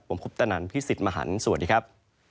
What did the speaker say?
ผมคุปตนันพี่สิทธิ์มหันฯสวัสดีครับ